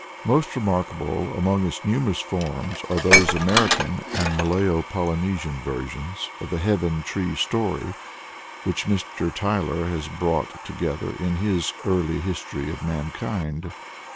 Most remarkable among its numerous forms are those American and Malayo Polynesian versions of the "heaven tree" story which Mr. Tylor has brought together in his "Early History of mankind."